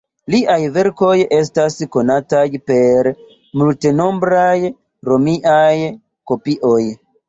Liaj verkoj estas konataj per multenombraj romiaj kopioj.